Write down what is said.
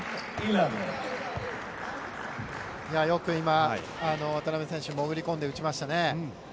よく、渡辺選手もぐりこんで打ちましたね。